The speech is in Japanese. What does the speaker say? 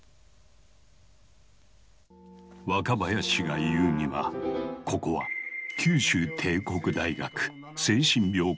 若林が言うにはここは九州帝国大学精神病科の病室。